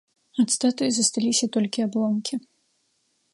Ад статуі засталіся толькі абломкі.